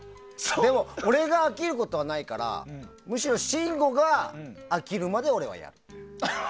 でも、俺が飽きることはないからむしろ信五が飽きるまで俺はやる。